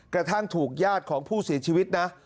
กระทั่งถูกญาติของผู้เสียชีวิตนะ